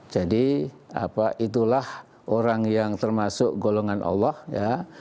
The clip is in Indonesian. jadi itulah orang yang termasuk golongan allah ya